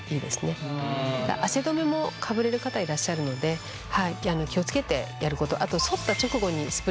汗止めもかぶれる方いらっしゃるので気を付けてやること。